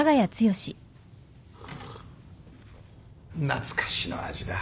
懐かしの味だ。